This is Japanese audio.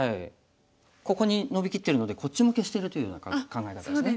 ここにノビきってるのでこっちも消してるというような考え方ですね。